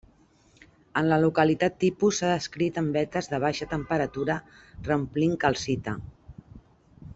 En la localitat tipus s’ha descrit en vetes de baixa temperatura reomplint calcita.